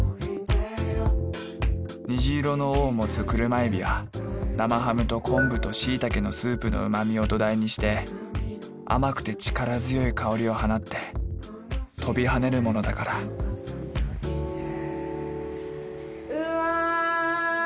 虹色の尾を持つ車海老は生ハムと昆布としいたけのスープの旨味を土台にして甘くて力強い香りを放って飛び跳ねるものだからうわ！